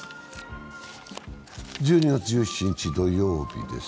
１２月１７日土曜日です。